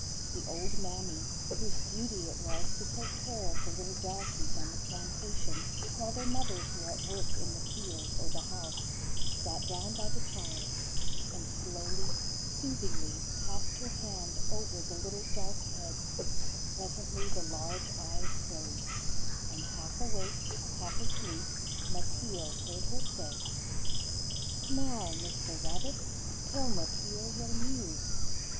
The old mammy, whose duty it was to take care of the little darkies on the plantation while their mothers were at work in the field or the house, sat down by the child, and slowly, soothingly, passed her hand over the little dark head; presently the large eyes closed, and half awake, half asleep, Mateel heard her say,— "Now, Mistah Rabbit, tell Mateel yo news."